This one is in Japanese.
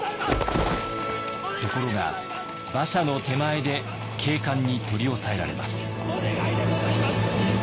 ところが馬車の手前で警官に取り押さえられます。